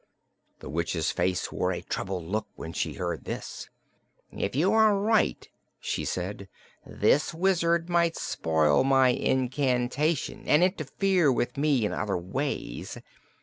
The witch's face wore a troubled look when she heard this. "If you are right," she said, "this wizard might spoil my incantation and interfere with me in other ways.